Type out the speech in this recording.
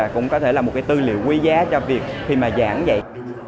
cũng có thể là một cái tư liệu quý giá cho việc khi mà giảng dạy